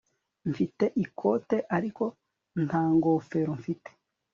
Mfite ikote ariko nta ngofero mfite